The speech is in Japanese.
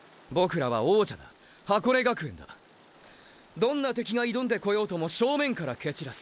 どんな敵が挑んでこようとも正面からけちらす！！